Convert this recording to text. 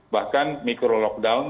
bahkan mikro lockdown